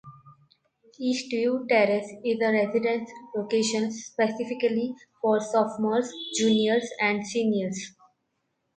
Eastview Terrace is a residence location specifically for sophomores, juniors, and seniors.